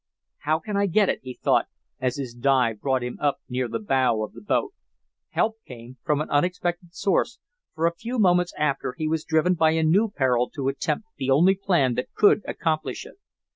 "How can I get it?" he thought, as his dive brought him up near the bow of the boat. Help came from an unexpected source, for a few moments after, he was driven by a new peril to attempt the only plan that could accomplish it.